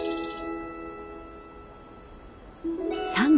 ３月。